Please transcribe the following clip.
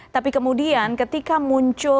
tapi kemudian ketika muncul